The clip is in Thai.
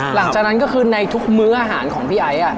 หลังจากนั้นก็คือในทุกมื้ออาหารของพี่ไอ้